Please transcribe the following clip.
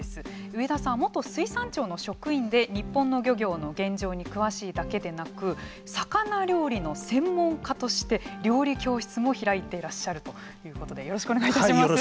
上田さんは元水産庁職員で日本の漁業の現状に詳しいだけでなく魚料理の専門家として料理教室も開いていらっしゃるということでよろしくお願いいたします。